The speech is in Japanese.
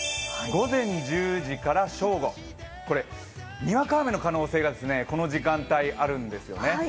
午前１０時から正午にわか雨の可能性がこの時間帯あるんですよね。